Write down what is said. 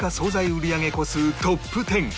売り上げ個数トップ１０